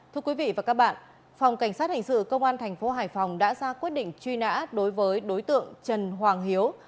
thưa quý vị và các bạn phòng cảnh sát hành sự công an tp hải phòng đã ra quyết định truy nã đối với đối tượng trần hoàng hiếu